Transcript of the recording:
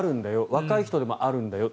若い人でもあるんだよ